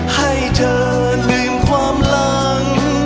ให้เธอลืมความหลัง